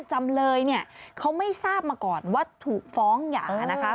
จำเลยเนี่ยเขาไม่ทราบมาก่อนว่าถูกฟ้องหย่านะคะ